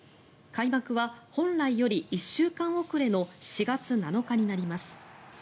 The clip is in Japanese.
開幕は、本来より１週間遅れの４月７日になります。